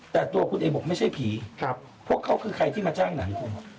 แต่ตัวคนเองบอกไม่ใช่ผีครับเพราะเขาคือใครที่มาจ้างหนัง